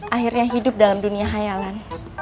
akhirnya hidup dalam dunia hayalan